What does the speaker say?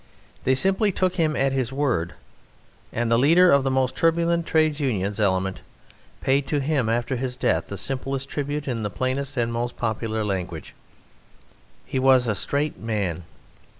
They simply took him at his word, and the leader of the most turbulent Trades Union element paid to him after his death the simplest tribute in the plainest and most popular language "He was a straight man."